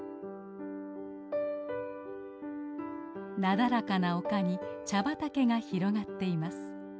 なだらかな丘に茶畑が広がっています。